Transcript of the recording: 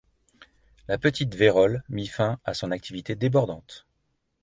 La petite vérole mit fin à son activité débordante.